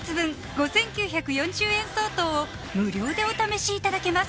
５９４０円相当を無料でお試しいただけます